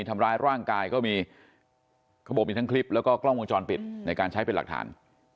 ทำร้ายร่างกายก็มีเขาบอกมีทั้งคลิปแล้วก็กล้องวงจรปิดในการใช้เป็นหลักฐาน